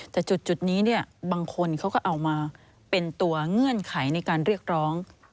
แต่จุดนี้เนี่ยบางคนเขาก็เอามาเป็นตัวเงื่อนไขในการเรียกร้อง